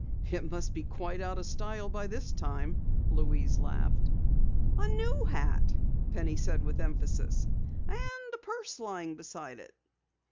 "It must be quite out of style by this time," Louise laughed. "A new hat," Penny said with emphasis. "And a purse lying beside it!"